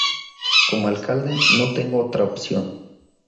Como alcalde, no tengo otra opción.